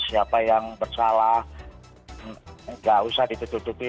siapa yang bersalah nggak usah ditutupi